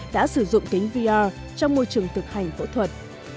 đã sử dụng kính vr trong môi trường thực hành phẫu thuật